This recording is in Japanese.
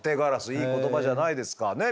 いい言葉じゃないですかねえ